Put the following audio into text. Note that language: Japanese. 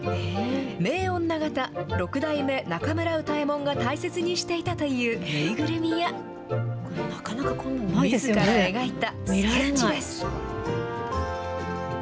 名女形、六代目中村歌右衛門が大切にしていたというぬいぐるみや、みずから描いたスケッチです。